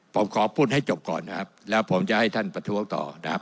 ผมขอพูดให้จบก่อนนะครับแล้วผมจะให้ท่านประท้วงต่อนะครับ